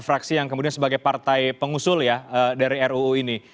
fraksi yang kemudian sebagai partai pengusul ya dari ruu ini